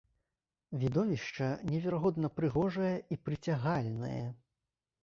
Відовішча неверагодна прыгожае і прыцягальнае.